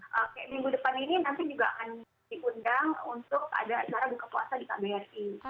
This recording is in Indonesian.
oke minggu depan ini nanti juga akan diundang untuk ada acara buka puasa di kbri